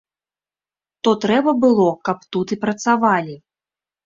То трэба было, каб тут і працавалі.